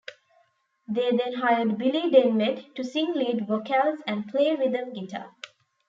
They then hired Billy Denmead to sing lead vocals and play rhythm guitar.